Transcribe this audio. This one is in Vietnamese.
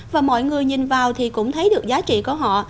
và mọi người nhìn vào thì cũng thấy được giá trị của họ